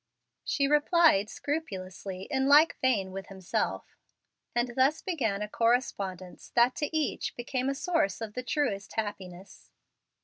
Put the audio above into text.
She replied scrupulously, in like vein with himself, and thus began a correspondence that to each became a source of the truest happiness.